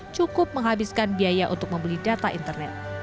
cukup menghabiskan biaya untuk membeli data internet